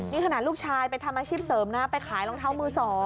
นี่ขนาดลูกชายไปทำอาชีพเสริมนะไปขายรองเท้ามือ๒